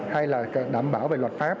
hay là đảm bảo về luật pháp